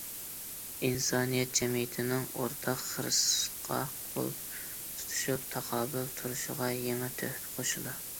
ئىنسانىيەت جەمئىيىتىنىڭ ئورتاق خىرىسقا قول تۇتۇشۇپ تاقابىل تۇرۇشىغا يېڭى تۆھپە قوشىدۇ.